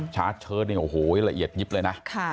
ชาร์จเชิดนี่โอ้โหละเอียดยิบเลยนะ